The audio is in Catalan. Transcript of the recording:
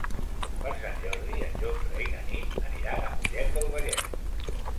Per Sant Jordi en Jofre i na Nit aniran a Mollet del Vallès.